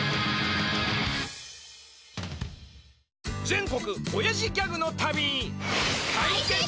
全国おやじギャグの旅！